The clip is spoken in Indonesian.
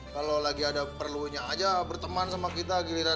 kalau lagi ada perlunya aja berteman sama kita giliran